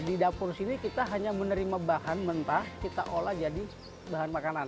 jadi dapur ini kita hanya menerima bahan mentah kita olah jadi bahan makanan